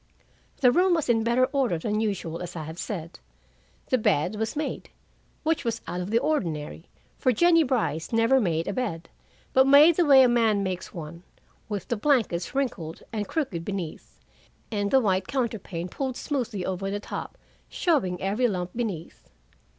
The room was in better order than usual, as I have said. The bed was made which was out of the ordinary, for Jennie Brice never made a bed but made the way a man makes one, with the blankets wrinkled and crooked beneath, and the white counterpane pulled smoothly over the top, showing every lump beneath.